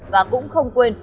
và cũng không quên